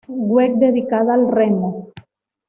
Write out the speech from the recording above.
Web dedicada al remo